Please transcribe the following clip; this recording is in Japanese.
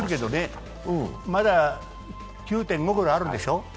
まだ９．５ぐらいあるんでしょ